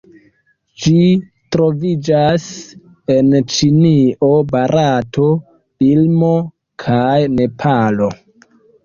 Ĝi troviĝas en Ĉinio, Barato, Birmo kaj Nepalo.